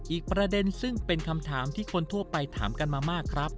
อีกประเด็นซึ่งเป็นคำถามที่คนทั่วไปถามกันมามากครับ